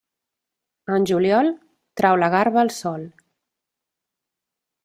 En juliol, trau la garba al sol.